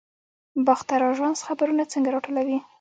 باختر اژانس خبرونه څنګه راټولوي؟